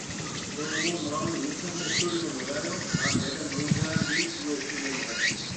تو اوئون محمد يوسف ني اسٽوڊيو ۾ منگايو هان ميڊم نور جهان بِي اوئي اسٽوڊيو ۾ هتي